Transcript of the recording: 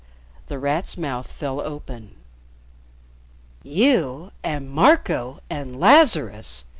The Rat's mouth fell open. "You and Marco and Lazarus!"